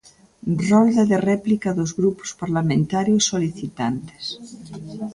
Rolda de réplica dos grupos parlamentarios solicitantes.